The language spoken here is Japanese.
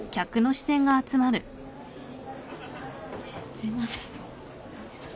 すいません。